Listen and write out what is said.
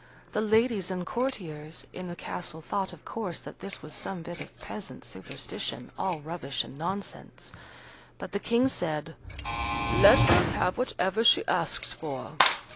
The ladies and courtiers in the castle thought, of course, that this was some bit of peasant superstition, all rubbish and nonsense. But the King said, "Let her have whatever she asks for."